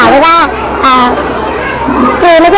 น้องน้องได้อยู่ทั้งส่วน